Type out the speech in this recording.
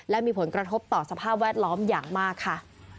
และมีผลกระทบต่อสภาพแวดล้อมอย่างมากค่ะ